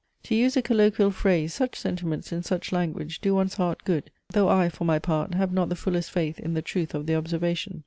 To use a colloquial phrase, such sentiments, in such language, do one's heart good; though I for my part, have not the fullest faith in the truth of the observation.